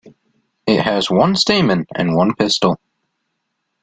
It has one stamen and one pistil.